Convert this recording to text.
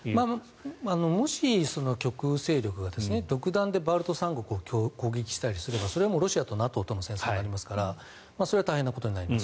もし極右勢力が独断でバルト三国を攻撃したりすればそれはロシアとＮＡＴＯとの戦争になりますからそれは大変なことになります。